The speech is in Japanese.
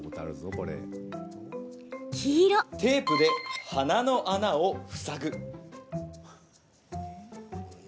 テープで鼻の穴を塞ぐ。